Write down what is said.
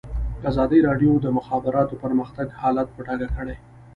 ازادي راډیو د د مخابراتو پرمختګ حالت په ډاګه کړی.